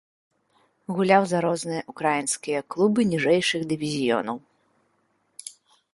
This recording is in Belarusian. Гуляў за розныя ўкраінскія клубы ніжэйшых дывізіёнаў.